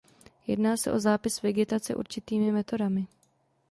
Jedná se o zápis vegetace určitými metodami.